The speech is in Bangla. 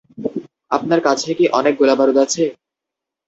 আপনার কাছে কি অনেক গোলাবারুদ আছে?